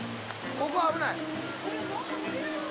「ここは危ない。